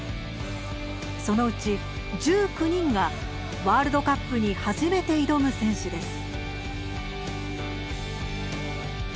そのうち１９人がワールドカップに初めて挑む選手です。